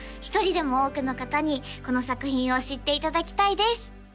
１人でも多くの方にこの作品を知っていただきたいです